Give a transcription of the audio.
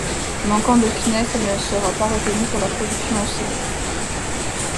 Manquant de finesse, elle ne sera pas retenue pour la production en série.